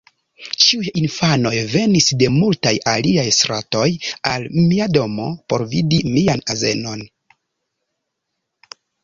Ĉiuj infanoj venis de multaj aliaj stratoj, al mia domo, por vidi mian azenon.